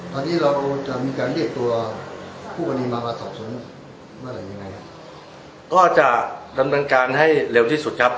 ตอนนี้เราจะมีการเรียกตัวคู่กรณีมามาสอบสวนเมื่อไหร่ยังไงครับก็จะดำเนินการให้เร็วที่สุดครับ